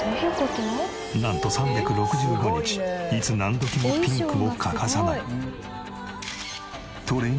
なんと３６５日いつ何時もピンクを欠かさない。